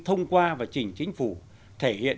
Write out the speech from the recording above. thông qua và chỉnh chính phủ thể hiện